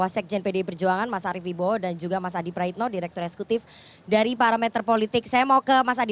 sekarang dari parameter politik saya mau ke mas adi